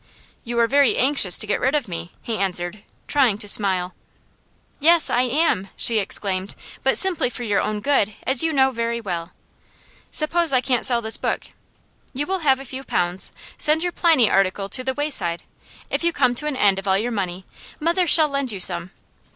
'You are very anxious to get rid of me,' he answered, trying to smile. 'Yes, I am,' she exclaimed; 'but simply for your own good, as you know very well.' 'Suppose I can't sell this book?' 'You will have a few pounds. Send your "Pliny" article to The Wayside. If you come to an end of all your money, mother shall lend you some.